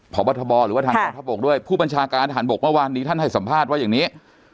พบทบหรือว่าทางกองทัพบกด้วยผู้บัญชาการทหารบกเมื่อวานนี้ท่านให้สัมภาษณ์ว่าอย่างนี้